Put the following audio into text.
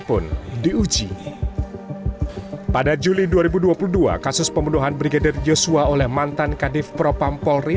pun diuji pada juli dua ribu dua puluh dua kasus pembunuhan brigadir joshua oleh mantan kadif propam polri